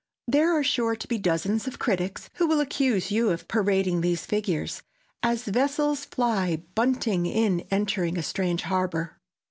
There are sure to be dozens of critics who will accuse you of parading these figures, as vessels fly bunting in entering a strange harbor.